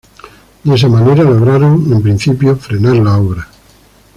De esa manera lograron en principio frenar la obra.